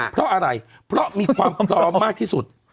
เพราะอะไรเพราะมีความพร้อมมากที่สุด